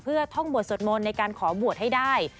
เพื่อท่องบวชสวดมนต์ในการขอบวชให้ได้